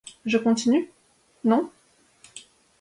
Je continue ? Non ?